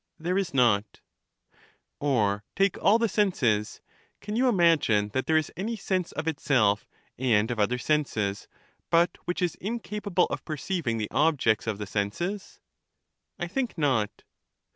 There is not. Or take all the senses: can you imagine that there is any sense of itself and of other senses, but which is incapable of perceiving the objects of the senses? I think not.